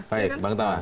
baik bang tama